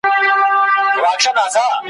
چي د عقل په میدان کي پهلوان وو ,